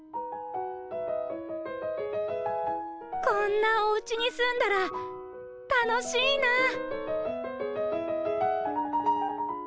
こんなおうちにすんだらたのしいな！